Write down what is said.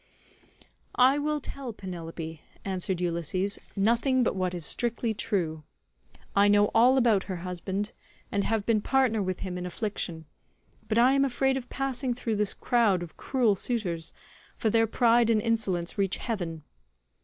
"I will tell Penelope," answered Ulysses, "nothing but what is strictly true. I know all about her husband, and have been partner with him in affliction, but I am afraid of passing through this crowd of cruel suitors, for their pride and insolence reach heaven.